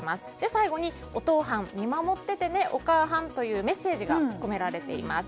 最後に「おとう飯、見守っててね、おかあはん」というメッセージが込められています。